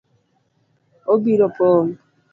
Obiro pong’